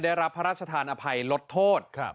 ได้รับพระราชทานอภัยลดโทษ